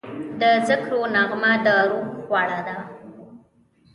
د ذکرو نغمه د روح خواړه ده.